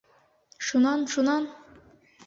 Шунан, шунан?!